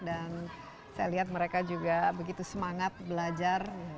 dan saya lihat mereka juga begitu semangat belajar